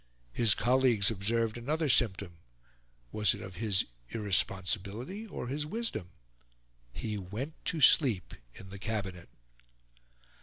His colleagues observed another symptom was it of his irresponsibility or his wisdom? He went to sleep in the Cabinet.